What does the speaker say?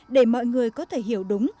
để mọi người có thể hiểu đúng